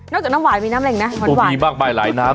นอกจากน้ำหวานมีน้ำอะไรอีกนะ